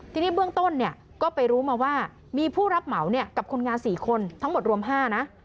ทีนี้เบื้องต้นเนี่ยก็ไปรู้มาว่ามีผู้รับเหมากับคนงาน๔คนทั้งหมดรวม๕นะ